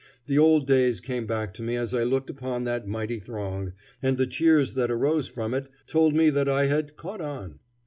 The old days came back to me as I looked upon that mighty throng, and the cheers that arose from it told me that I had "caught on."